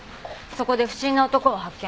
そこで不審な男を発見。